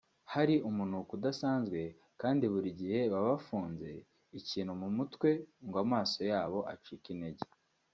hari umunuko udasanzwe kandi buri gihe baba bafunze ikintu mu mutwe ngo amaso yabo acike intege